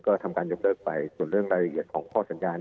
ก็ทำการยกเลิกไปส่วนเรื่องรายละเอียดของข้อสัญญา